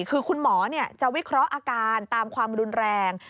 คือคุณหมอจะวิเคราะห์อาการตามความรุนแรง